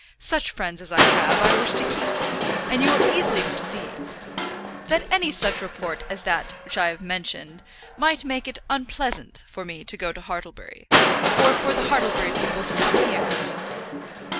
Such friends as I have, I wish to keep, and you will easily perceive that any such report as that which I have mentioned, might make it unpleasant for me to go to Hartlebury, or for the Hartlebury people to come here."